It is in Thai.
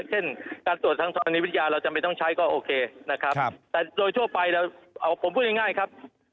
เช่นการตรวจทางธรณีวิทยาเราจำเป็นต้องใช้ก็โอเคนะครับแต่โดยทั่วไปเราผมพูดง่ายครับ